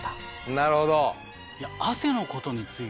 なるほど。